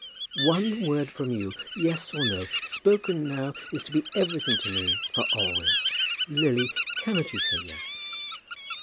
"One word from you, yes or no, spoken now is to be everything to me for always. Lily, cannot you say yes?"